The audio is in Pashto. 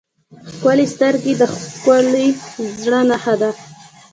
ښکلي سترګې د ښکلي زړه نښه ده.